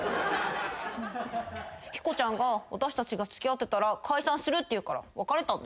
ヒコちゃんが私たちが付き合ってたら解散するって言うから別れたんだよ。